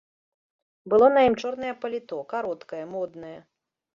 Было на ім чорнае паліто, кароткае, моднае.